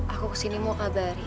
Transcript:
aku kesini mau berbicara